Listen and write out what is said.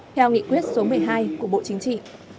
theo nghị quyết số một mươi hai của bộ chính trị